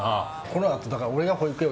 このあとだから俺が保育園